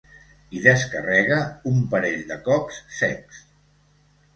Hi descarrega un parell de cops secs.